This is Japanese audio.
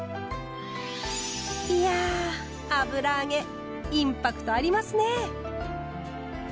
いや油揚げインパクトありますね。